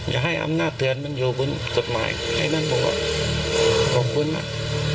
อย่าให้อำนาจเตือนมันอยู่บนกฎหมายไอ้นั่นบอกว่าขอบคุณมาก